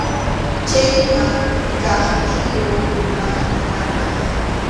Chayman kaq kiru maqllinapaq.